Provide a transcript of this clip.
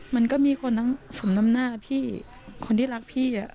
มันก็มีคนทั้งสมน้ำหน้าพี่คนที่รักพี่